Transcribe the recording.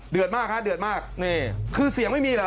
มากฮะเดือดมากนี่คือเสียงไม่มีเหรอ